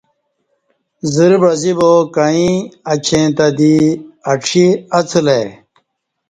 زرہ بعزی با کعیں اچین تہ دی اڄی اڅہ لای